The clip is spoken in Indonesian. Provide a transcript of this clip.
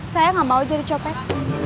saya nggak mau jadi copet